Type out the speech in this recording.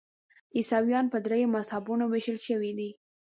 عیسویان په دریو مذهبونو ویشل شوي دي.